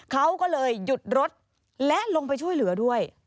เขาก็เลยหยุดรถและลงไปช่วยเหลือด้วย